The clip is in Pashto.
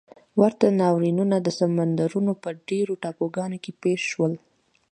ورته ناورینونه د سمندرونو په ډېرو ټاپوګانو کې پېښ شول.